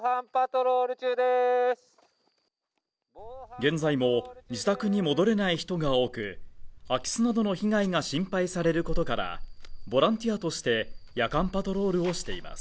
現在も自宅に戻れない人が多く空き巣などの被害が心配されることからボランティアとして夜間パトロールをしています